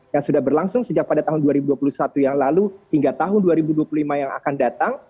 yang sudah berlangsung sejak pada tahun dua ribu dua puluh satu yang lalu hingga tahun dua ribu dua puluh lima yang akan datang